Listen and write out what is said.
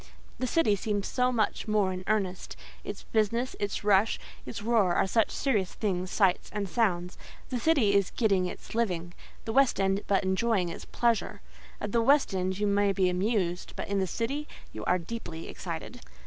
The city seems so much more in earnest: its business, its rush, its roar, are such serious things, sights, and sounds. The city is getting its living—the West End but enjoying its pleasure. At the West End you may be amused, but in the city you are deeply excited.